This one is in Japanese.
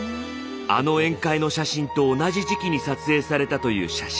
あの宴会の写真と同じ時期に撮影されたという写真。